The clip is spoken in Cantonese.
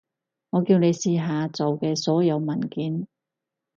我叫你試下做嘅所有文件